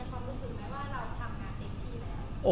มีดูเเย็นความรู้สึกเเหละว่าเราทำงานเด็กที่แล้ว